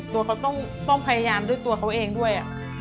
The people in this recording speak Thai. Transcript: โดยเขาต้องพยายามด้วยตัวเขาเองด้วย